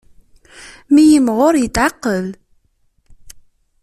Mi yimɣur, yetɛeqqel.